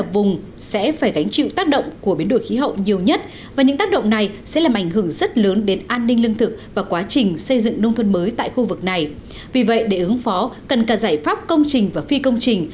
vì vậy để ứng phó cần cả giải pháp công trình và phi công trình